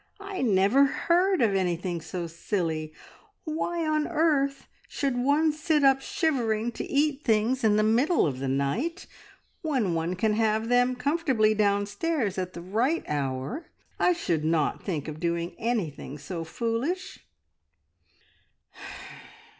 "I never heard of anything so silly. Why on earth should one sit up shivering to eat things in the middle of the night, when one can have them comfortably downstairs at the right hour? I should not think of doing anything so foolish."